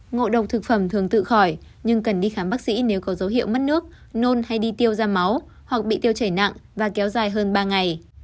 ngộ độc thực phẩm thường tự khỏi nhưng cần đi khám bác sĩ nếu có dấu hiệu mất nước nôn hay đi tiêu ra máu hoặc bị tiêu chảy nặng và kéo dài hơn ba ngày